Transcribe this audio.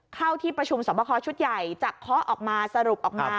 เข้าที่ประชุมสอบคอชุดใหญ่จะเคาะออกมาสรุปออกมา